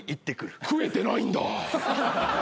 食えてないんだ。